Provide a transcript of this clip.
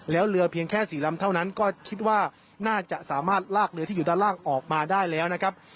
แล้วเรือเพียงแค่๔ลำเท่านั้นก็คิดว่าน่าจะสามารถลากเรือที่อยู่ด้านล่างออกมาได้แล้วนะครับ